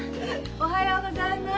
おはようございます。